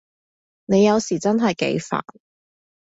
你有時真係幾煩